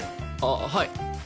あっはい！